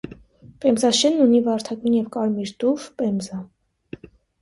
Պեմզաշենն ունի վարդագույն և կարմիր տուֆ, պեմզա։